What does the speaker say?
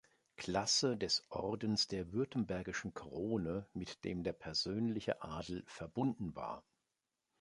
Klasse des Ordens der Württembergischen Krone, mit dem der persönliche Adel verbunden war.